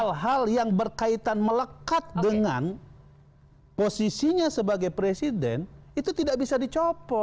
hal hal yang berkaitan melekat dengan posisinya sebagai presiden itu tidak bisa dicopot